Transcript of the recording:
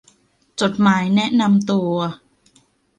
จดหมายแนะนำตัว